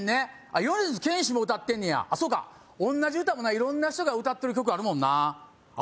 米津玄師も歌ってんねやあそうか同じ歌もな色んな人が歌ってる曲あるもんなあっ